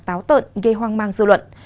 táo tợn gây hoang mang dư luận